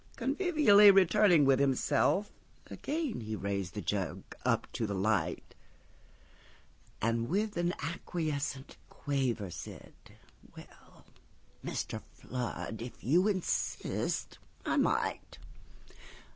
Convivially returning with himself, Again he raised the jug up to the light; And with an acquiescent quaver said:"Well, Mr. Flood, if you insist, I might.